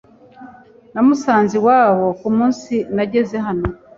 Namusanze iwabo kumunsi nageze hano.